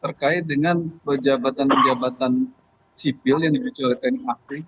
terkait dengan pejabatan pejabatan sipil yang dibicara oleh tni makri